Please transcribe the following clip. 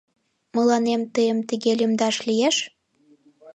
Мыланем тыйым тыге лӱмдаш лиеш?..